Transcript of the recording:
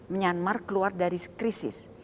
menyanmar keluar dari krisis